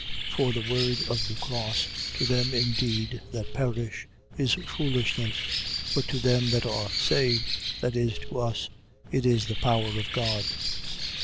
1:18. For the word of the cross, to them indeed that perish, is foolishness: but to them that are saved, that is, to us, it is the power of God.